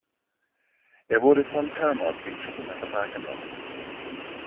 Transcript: Er wurde von Paramount Pictures unter Vertrag genommen.